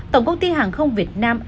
tổng công ty hàng không việt nam